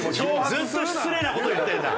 ずっと失礼な事を言ってんな。